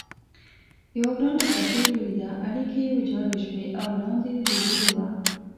یوه ورانه پټلۍ ولیده، اړیکي یې ویجاړ شوي او لاندې لوېدلي و.